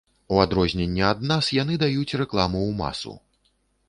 У адрозненне ад нас, яны даюць рэкламу ў масу.